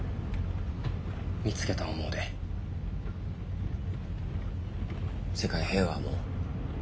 見つけた思うで世界平和も家族も。